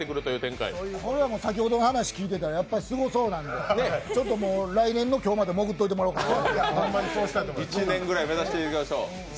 先ほど、話を聞いてたらすごそうなので来年の今日まで潜っておいてもらおうかなと。